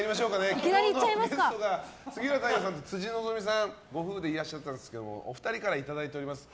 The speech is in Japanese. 昨日のゲストが杉浦太陽さんと辻希美さんご夫婦でいらっしゃったんですがお二人からいただいています。